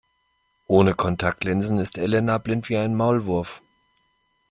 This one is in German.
Ohne Kontaktlinsen ist Elena blind wie ein Maulwurf.